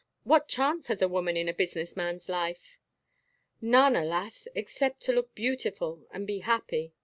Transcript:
What chance has a woman in a business man's life?" "None, alas, except to look beautiful and be happy.